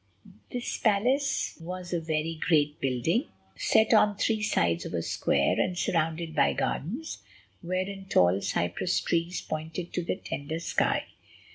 This palace was a very great building, set on three sides of a square, and surrounded by gardens, wherein tall cypress trees pointed to the tender sky.